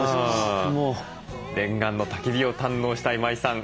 念願のたき火を堪能した今井さん。